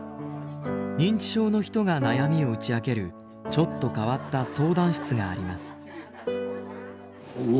認知症の人が悩みを打ち明けるちょっと変わった相談室があります。